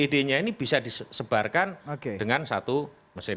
ide idenya ini bisa disebarkan dengan satu mesin politik